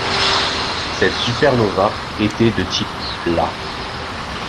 Cette supernova était de type Ia.